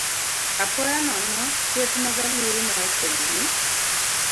Apoya nono, kweth mag aluru ne ofwenyo ni